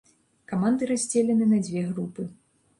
Каманды раздзелены на дзве групы.